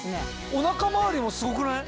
お腹周りもすごくない？